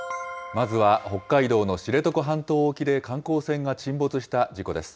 まずは北海道の知床半島沖で観光船が沈没した事故です。